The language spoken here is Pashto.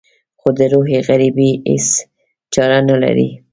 خو د روح غريبي هېڅ چاره نه لري.